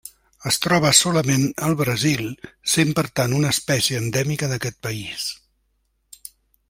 Es troba solament al Brasil, sent per tant una espècie endèmica d'aquest país.